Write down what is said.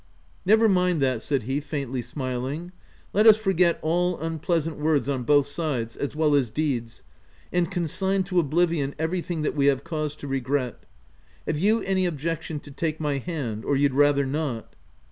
" Never mind that," said he, faintly smiling ;" let us forget all unpleasant words on both sides, as well as deeds, and consign to oblivion everything that we have cause to regret. Have you any objection to take my hand — or you'd rather not?"